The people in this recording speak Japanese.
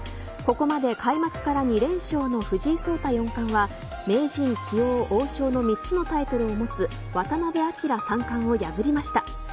ここまで開幕から２連勝の藤井聡太四冠は名人・棋王・王将の３つのタイトルを持つ渡辺明三冠を破りました。